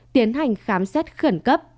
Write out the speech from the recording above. tiến hành khám xét khẩn cấp